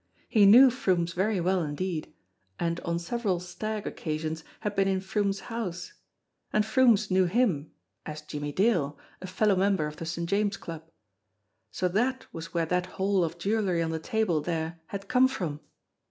He knew Froomes very well indeed, and on several "stag" occasions had been n Froomes' house ; and Froomes knew him as Jimmie Dale, a fellow member of the St. James Club. So that was where that haul of jewellery on the table there had come from!